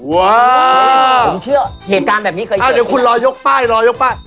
ว้าวผมเชื่อเหตุการณ์แบบนี้เกิดขึ้นอ้าวเดี๋ยวคุณรอยกป้ายรอยกป้าย